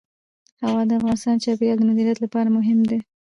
هوا د افغانستان د چاپیریال د مدیریت لپاره مهم دي.